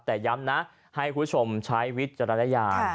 แต่ย้ำนะให้คุณผู้ชมใช้วิจารณญาณ